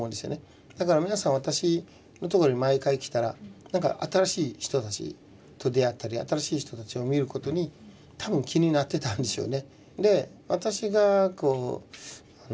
だから皆さん私のところに毎回来たら新しい人たちと出会ったり新しい人たちを見ることに多分気になってたんでしょうね。